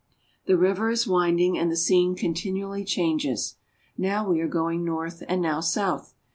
The river is winding, and the scene continually changes. Now we are going north and now south.